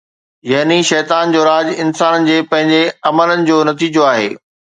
يعني شيطان جو راڄ انسان جي پنهنجي عملن جو نتيجو آهي